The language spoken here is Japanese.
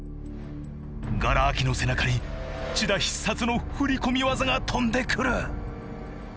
がら空きの背中に千田必殺の振り込み技が飛んでくる！